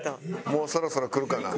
もうそろそろくるかな？